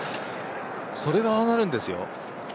それがああなるんですよ。